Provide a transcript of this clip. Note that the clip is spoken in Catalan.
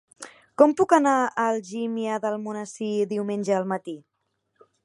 Com puc anar a Algímia d'Almonesir diumenge al matí?